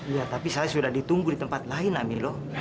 ya tapi saya sudah ditunggu di tempat lain amilo